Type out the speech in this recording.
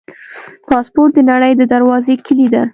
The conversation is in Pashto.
پاسپورټ د نړۍ د دروازو کلي ده.